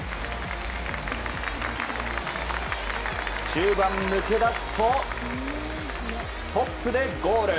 中盤抜け出すとトップでゴール。